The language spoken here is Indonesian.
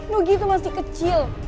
nugi tuh masih kecil